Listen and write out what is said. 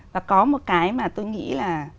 và có một cái mà tôi nghĩ là